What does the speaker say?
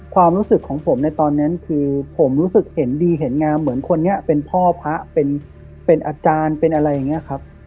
ความรู้สึกของผมในตอนนั้นคือผมรู้สึกเห็นดีเห็นงามเหมือนคนนี้เป็นพ่อพระเป็นอาจารย์เป็นอะไรอย่างนี้ครับ